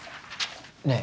ねえ